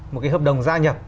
một hợp đồng gia nhập